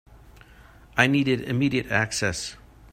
I needed immediate access.